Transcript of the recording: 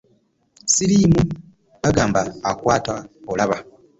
Ssiriimu bagamba akukwata olaba.